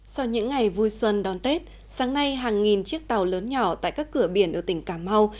sau những ngày vui xuân đón tết sáng nay hàng nghìn chiếc tàu lớn nhỏ tại các cửa biển ở tỉnh cà mau